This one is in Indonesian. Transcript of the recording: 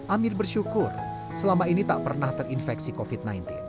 amir bersyukur selama ini tak pernah terinfeksi covid sembilan belas